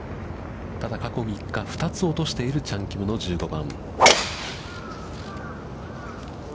過去３日、２つ落としているチャン・キムの１５番。